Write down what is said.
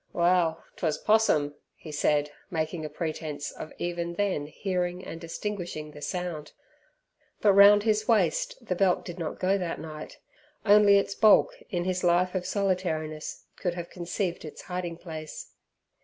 "Well, 'twas 'possum," he said, making a pretence of even then hearing and distinguishing the sound. But round his waist the belt did not go that night. Only its bulk in his life of solitariness could have conceived its hiding place.